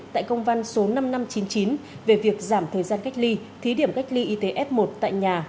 tại công văn số năm nghìn năm trăm chín mươi chín về việc giảm thời gian cách ly thí điểm cách ly y tế f một tại nhà